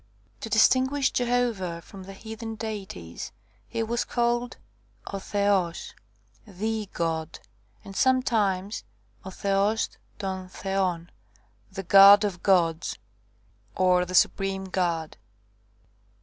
6 To distinguish Jehovah from the heathen deities, he was called 6 θεός, THE god, and sometimes 6 θεὸς τῶν θεῶν, the god of the gods, or the supreme god.